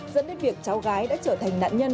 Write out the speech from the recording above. dẫn đến việc cháu gái đã trở thành nạn nhân